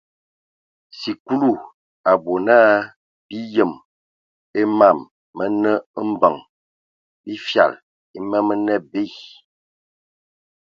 Sikulu a bɔ na bi yem a mam mənə mbəŋ bi fyal e ma mənə abe.